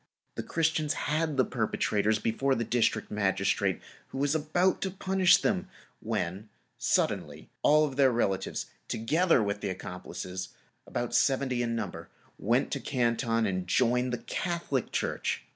The Christians had the perpetrators before the District Magistrate, who was about to punish them; when suddenly all their relatives, together with the accomplices, about seventy in number, went to Canton and joined the Catholic Church.